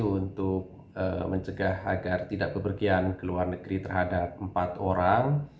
untuk mencegah agar tidak bepergian ke luar negeri terhadap empat orang